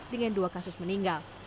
dengan dua kasus meninggal